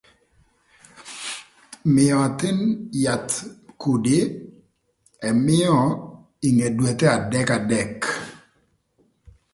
Mïö athïn yath kudi ëmïö ï nge dwethe adek adek.